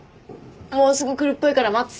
もうすぐ来るっぽいから待つ。